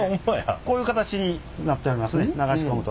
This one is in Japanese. こういう形になっておりますね流し込むと。